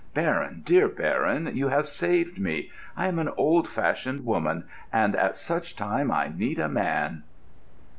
Baron, dear Baron, you have saved me. I am an old fashioned woman, and at such a time I need a man...."